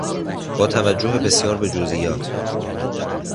با توجه بسیار به جزئیات